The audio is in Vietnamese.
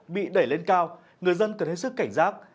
bị đẩy lên cao người dân cần hết sức cảnh giác